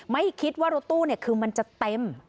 ไม่คิดว่ารถตู้คือมันจะเต็ม